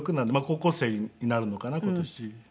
高校生になるのかな今年。